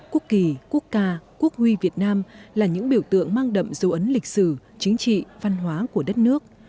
quốc kỳ quốc ca quốc huy việt nam là những biểu tượng mang đậm dấu ấn lịch sử chính trị văn hóa của đất nước